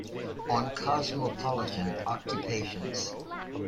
'On Cosmopolitan Occupations.